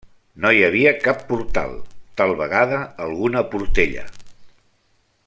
No hi havia cap portal; tal vegada alguna portella.